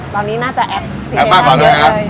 ตอนนี้น่าจะแอปพลิเคชันเยอะเลยครับ